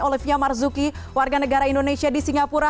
olivia marzuki warga negara indonesia di singapura